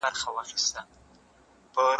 که ته درناوی وکړې، خلګ درسره مينه کوي.